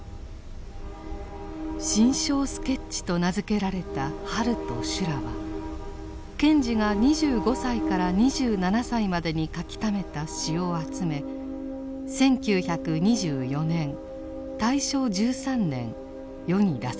「心象スケッチ」と名付けられた「春と修羅」は賢治が２５歳から２７歳までに書きためた詩を集め１９２４年大正１３年世に出されました。